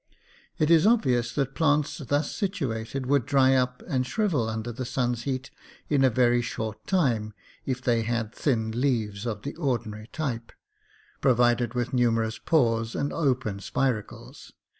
It is obvious that plants thus situated would dry up and shrivel under the sun's heat in a very short time if they had thin leaves of the ordinary type, provided with numerous pores and open spiracles.